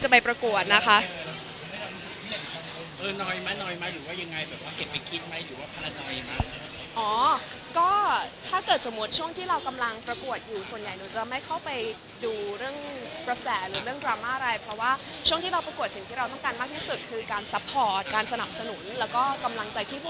จริงดราม่าต่างมันทำให้เราเครียดไหมอ่ะ